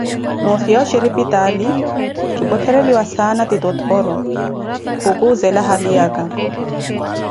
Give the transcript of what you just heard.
Noofiya oshiripitaali, kipwekereliwa saana ti tottoro, khukuuzela haliyake.